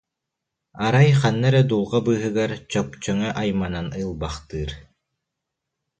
Арай ханна эрэ дулҕа быыһыгар чөкчөҥө айманан ылбахтыыр